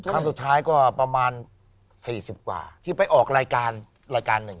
ครั้งสุดท้ายก็ประมาณ๔๐กว่าที่ไปออกรายการรายการหนึ่ง